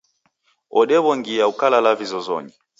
Odewongia ukalala vizozonyi